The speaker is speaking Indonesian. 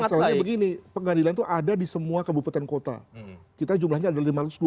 masalahnya begini pengadilan itu ada di semua kabupaten kota kita jumlahnya ada lima ratus dua puluh